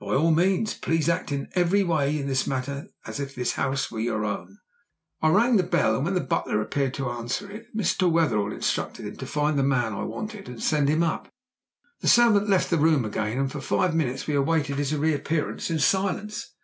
"By all means. Please act in every way in this matter as if this house were your own." I rang the bell, and when the butler appeared to answer it Mr. Wetherell instructed him to find the man I wanted and send him up. The servant left the room again, and for five minutes we awaited his reappearance in silence.